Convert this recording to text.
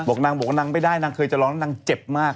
บอกนางไปได้นางเคยจะร้องเห็นนางเจ็บมาก